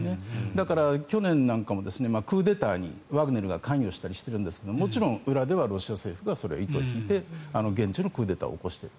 だから、去年なんかもクーデターにワグネルが関与したりしているんですがもちろん裏ではロシア政府が糸を引いて現地でのクーデターを起こしている。